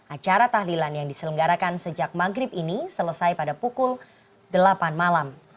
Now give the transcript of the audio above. acara tahlilan yang diselenggarakan sejak maghrib ini selesai pada pukul delapan malam